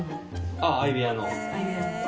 あっ相部屋の？